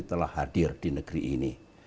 telah hadir di negeri ini